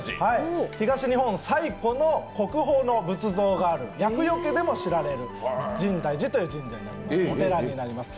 東日本最古の国宝の仏像がある、厄よけでも知られる深大寺というお寺になります。